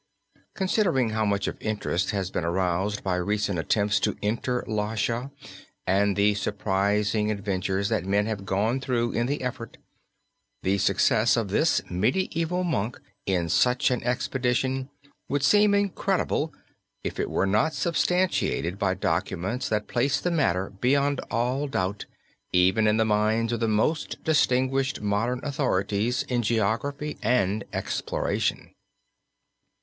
Considering how much of interest has been aroused by recent attempts to enter Lhasa and the surprising adventures that men have gone through in the effort, the success of this medieval monk in such an expedition would seem incredible, if it were not substantiated by documents that place the matter beyond all doubt even in the minds of the most distinguished modern authorities in geography and exploration.